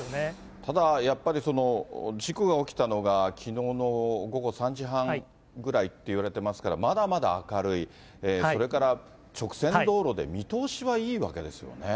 ただやっぱり、事故が起きたのがきのうの午後３時半ぐらいって言われてますから、まだまだ明るい、それから直線道路で見通し